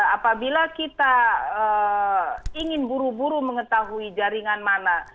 apabila kita ingin buru buru mengetahui jaringan mana